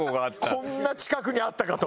「こんな近くにあったか」と？